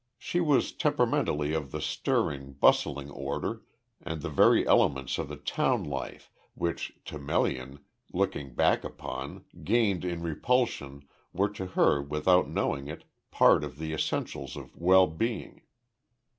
She was temperamentally of the stirring, bustling order, and the very elements of the town life, which to Melian, looking back upon, gained in repulsion, were to her without knowing it, part of the essentials of well being.